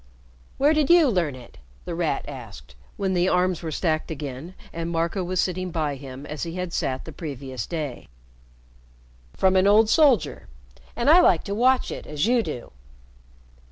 "Where did you learn it?" The Rat asked, when the arms were stacked again and Marco was sitting by him as he had sat the previous day. "From an old soldier. And I like to watch it, as you do."